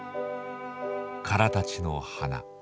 「からたちの花」